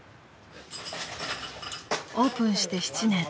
［オープンして７年］